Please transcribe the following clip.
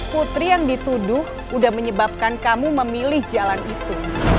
putri yang dituduh udah menyebabkan kamu memilih jalan itu